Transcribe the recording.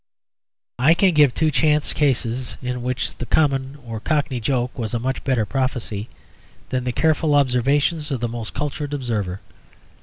I can give two chance cases in which the common or Cockney joke was a much better prophecy than the careful observations of the most cultured observer.